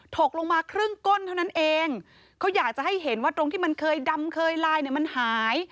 ถกลงมาครึ่งก้นเท่านั้นเองเขาอยากจะให้เห็นว่าตรงที่มันเคยดำเคยลายเนี่ยมันหาย